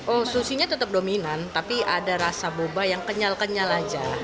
oh sushinya tetap dominan tapi ada rasa boba yang kenyal kenyal aja